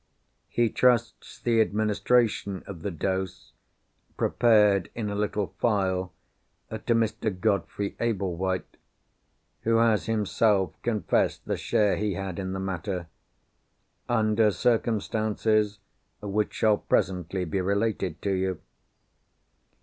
He trusts the administration of the dose, prepared in a little phial, to Mr. Godfrey Ablewhite—who has himself confessed the share he had in the matter, under circumstances which shall presently be related to you.